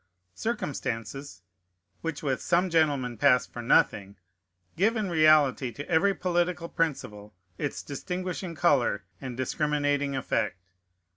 Circumstances (which with some gentlemen pass for nothing) give in reality to every political principle its distinguishing color and discriminating effect.